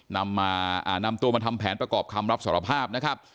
นำตัวมาทำแผนประกอบคำรับสารภาพนะครับ